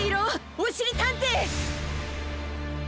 おしりたんてい！